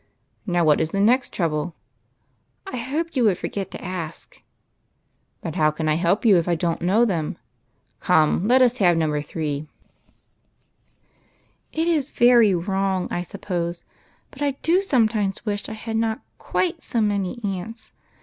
Now what is the next trouble ?"" I hoped you would forget to ask." " But how can I help you if I don't know them ? Come, let us have No. 3." " It is very wrong, I suppose, but I do sometimes wish I had not quite so many aunts.